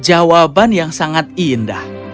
jawaban yang sangat indah